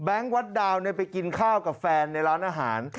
วัดดาวไปกินข้าวกับแฟนในร้านอาหาร